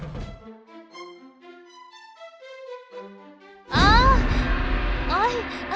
อ้าอ้า